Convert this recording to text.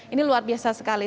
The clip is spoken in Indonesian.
ini luar biasa sekali